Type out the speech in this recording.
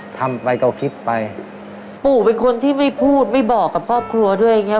ทำไปก็คิดไปปู่เป็นคนที่ไม่พูดไม่บอกกับครอบครัวด้วยอย่างเงี้